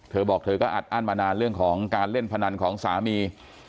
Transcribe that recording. เธอบอกเธอก็อัดอั้นมานานเรื่องของการเล่นพนันของสามี